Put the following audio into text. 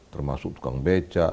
termasuk tukang becak